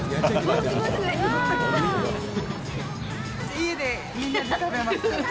家でみんなで食べます。